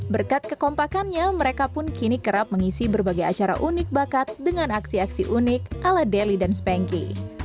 berkat kekompakannya mereka pun kini kerap mengisi berbagai acara unik bakat dengan aksi aksi unik ala deli dan spanky